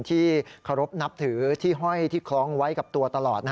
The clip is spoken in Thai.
ที่เคารพนับถือที่ห้อยที่คล้องไว้กับตัวตลอด